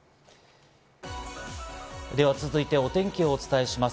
では続いて、お天気をお伝えします。